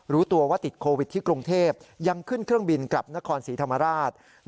รู้ตัวว่าติดโควิดที่กรุงเทพยังขึ้นเครื่องบินกลับนครศรีธรรมราช